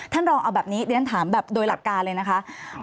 ท่านรองเอาแบบนี้เรียนถามแบบโดยหลักการเลยนะคะ